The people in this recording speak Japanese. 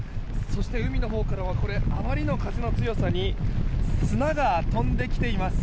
そして、海のほうからはあまりの風の強さに砂が飛んできています。